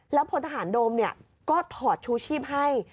พลทหารโดมก็ถอดชูชีพให้